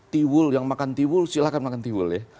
tiwul yang makan tiwul silahkan makan tiwul ya